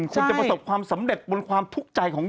คุณจะประสบความสำเร็จบนความทุกข์ใจของคุณ